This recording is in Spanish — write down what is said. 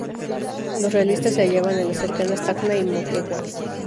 Los realistas se hallaban en las cercanas Tacna y Moquegua.